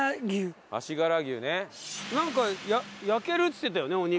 なんか焼けるっつってたよねお肉。